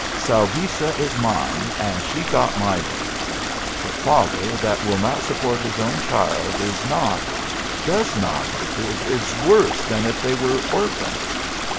"Salvisa is mine, and she got my vote. The father that will not support his own child is not does not is worse than if they were orphans."